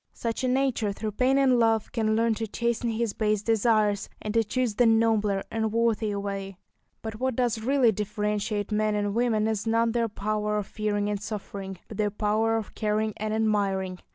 Such a nature, through pain and love, can learn to chasten his base desires, and to choose the nobler and worthier way. But what does really differentiate men and women is not their power of fearing and suffering, but their power of caring and admiring.